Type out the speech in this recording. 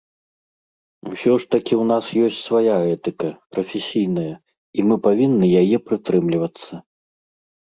Усё ж такі ў нас ёсць свая этыка, прафесійная, і мы павінны яе прытрымлівацца.